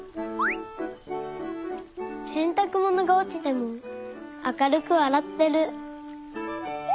せんたくものがおちてもあかるくわらってる。